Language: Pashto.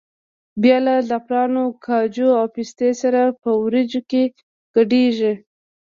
بیا له زعفرانو، کاجو او پستې سره په وریجو کې ګډېږي.